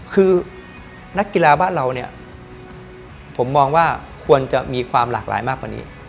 คือนักกีฬาบ้านเราเนี่ยผมมองว่าควรจะมีความหลากหลายมากกว่านี้